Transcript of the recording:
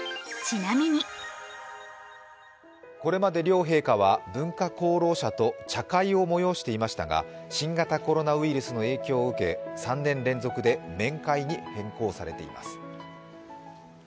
これまで両陛下は文化功労者と茶会を催していましたが新型コロナウイルスの影響を受け３年連続で面会に変更されています